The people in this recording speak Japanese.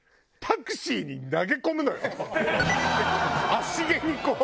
足蹴にこう。